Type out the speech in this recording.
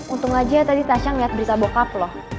untung aja tadi tasya ngeliat berita bokap lo